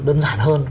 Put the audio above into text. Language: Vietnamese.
đơn giản hơn